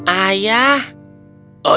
ayah ayah bisa mengumumkan uang sekolahmu lagi